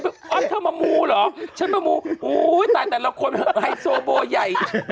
อ้าวเธอมามูหรอฉันมามูอุ๊ยแต่อันดัลคนให้โซโบใหญ่